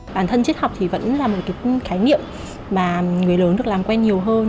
bản thân triết học thì vẫn là một cái khái niệm mà người lớn được làm quen nhiều hơn